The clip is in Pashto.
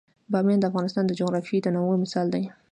بامیان د افغانستان د جغرافیوي تنوع مثال دی.